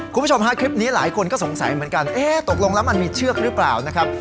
คลิปนี้หลายคนก็สงสัยเหมือนกันตกลงแล้วมันมีเชือกหรือเปล่านะครับ